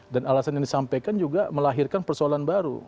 dan alasan yang disampaikan juga melahirkan persoalan baru